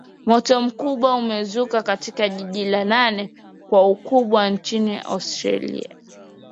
moto mkubwa umezuka katika jiji la nane kwa ukubwa nchini australia